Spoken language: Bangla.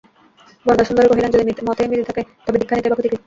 বরদাসুন্দরী কহিলেন, যদি মতেই মিল থাকে তবে দীক্ষা নিতেই বা ক্ষতি কী?